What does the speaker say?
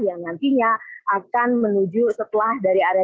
yang nantinya akan menuju setelah dari area